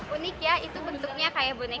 unik ya itu bentuknya kayak bonek